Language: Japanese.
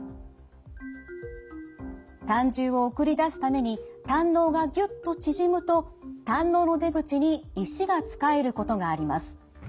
胆汁を送り出すために胆のうがぎゅっと縮むと胆のうの出口に石がつかえることがあります。